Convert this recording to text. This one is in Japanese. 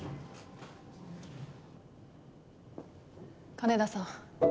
金田さん